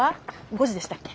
５時でしたっけ？